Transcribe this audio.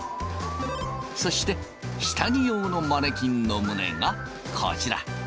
そして下着用のマネキンの胸がこちら。